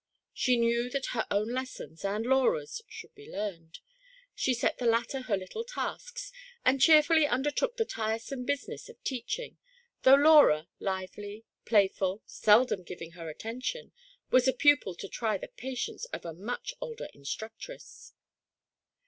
She knew that her own lessons and Laura's should be learned; she set the latter her little tasks, and cheerfully undertook the tiresome business of teaching, though Laura, lively, playful, seldom giving her attention, was a pupil to try the patience of a much older instructress.